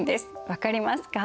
分かりますか？